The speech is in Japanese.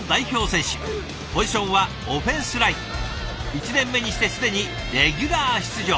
１年目にしてすでにレギュラー出場。